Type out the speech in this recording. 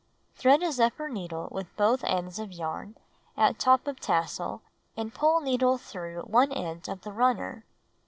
Thread a zephyr needle with both ends of yarn at top of tassel and pull needle through one end of the runner.